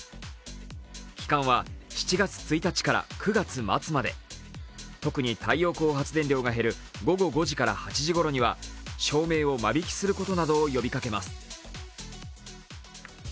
期間は７月１日から９月末まで特に太陽光発電量が減る午後５時から８時ごろには照明を間引きすることなどを呼びかけます。